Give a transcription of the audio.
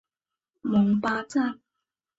蒙巴赞。